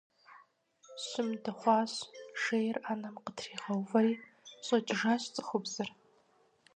Щым дыхъуащ, шейр Ӏэнэм къытригъэувэри, щӀэкӀыжащ цӀыхубзыр.